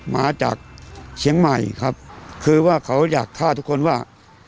มาจากเชียงใหม่ครับคือว่าเขาอยากฆ่าทุกคนว่า